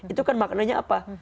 itu kan maknanya apa